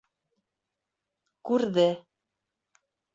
Күрҙе...